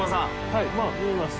はいまぁ見えます。